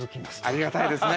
ありがたいですね。